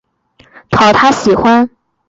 不像昔日为了讨他喜欢